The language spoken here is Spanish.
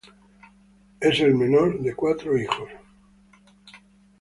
Es el menor de cuatro hijos.